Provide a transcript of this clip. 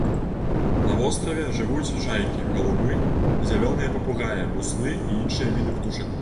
На востраве жывуць чайкі, галубы, зялёныя папугаі, буслы і іншыя віды птушак.